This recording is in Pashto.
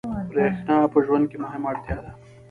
برېښنا په ژوند کې مهمه اړتیا ده.